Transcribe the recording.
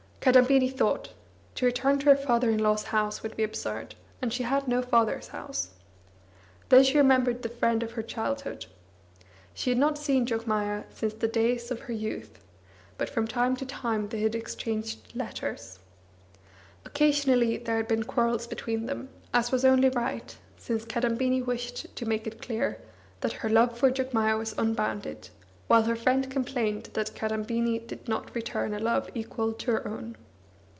Kadambini thought. To return to her father in law's house would be absurd, and she had no father's house. Then she remembered the friend of her childhood. She had not seen Jogmaya since the days of her youth, but from time to time they had exchanged letters. Occasionally there had been quarrels between them, as was only right, since Kadambini wished to make it dear that her love for Jogmaya was unbounded, while her friend complained that Kadambini did not return a love equal to her own.